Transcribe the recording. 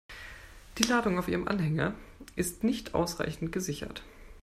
Die Ladung auf Ihrem Anhänger ist nicht ausreichend gesichert.